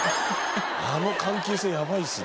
あの関係性やばいですね。